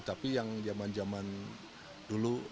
tapi yang zaman zaman dulu